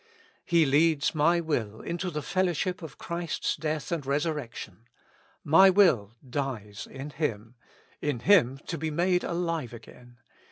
He leads my will into the fellowship of Christ's death and resurrection: my will dies in Him, in Him to be made alive again.